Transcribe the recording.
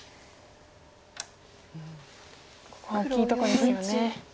ここは大きいとこですよね。